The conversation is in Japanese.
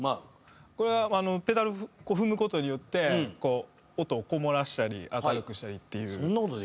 これはペダル踏む事によって音をこもらせたり明るくしたりっていう。